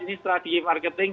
ini setelah di marketing